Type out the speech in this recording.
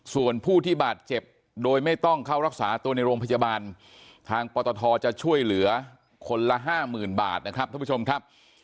ส่วนผู้ที่บาดเจ็บโดยไม่ต้องเข้ารักษาตัวในโรงพยาบาลทางปตทจะช่วยเหลือคนละห้าหมื่นบาทนะครับท่านผู้ชมครับ